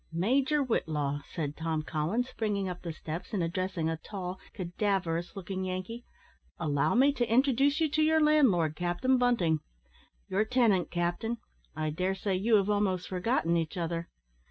"Major Whitlaw," said Tom Collins, springing up the steps, and addressing a tall, cadaverous looking Yankee, "allow me to introduce to you your landlord, Captain Bunting your tenant, captain. I dare say you have almost forgotten each other."